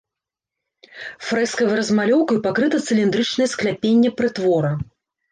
Фрэскавай размалёўкай пакрыта цыліндрычнае скляпенне прытвора.